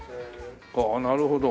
ああなるほど。